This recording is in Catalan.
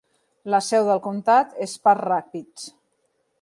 La seu del comtat és Park Rapids.